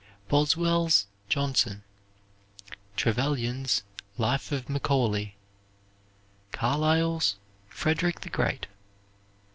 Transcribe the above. Boswell's "Johnson." Trevelyan's "Life of Macaulay." Carlyle's, "Frederick the Great."